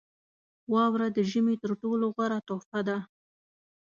• واوره د ژمي تر ټولو غوره تحفه ده.